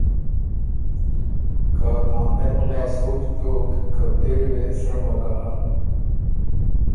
که ناندر مُلا سوچ دوک که پېری وې سرۀ موقع هۀ